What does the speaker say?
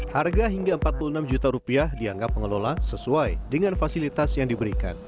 harga hingga empat puluh enam juta rupiah dianggap pengelola sesuai dengan fasilitas yang diberikan